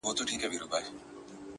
خپل مخ واړوې بل خواتــــه.!